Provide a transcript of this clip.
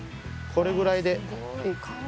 これぐらいで。